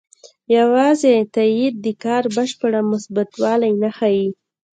یوازې تایید د کار بشپړ مثبتوالی نه ښيي.